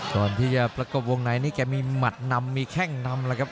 ก่อนที่จะประกบวงในนี้แกมีหมัดนำมีแข้งนำแล้วครับ